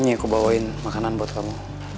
yang aku bawain makanan buat kamu